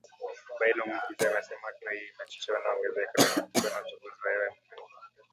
Bain Omugisa amesema hatua hiyo imechochewa na ongezeko la vifo kutokana na uchafuzi wa hewa ulimwenguni.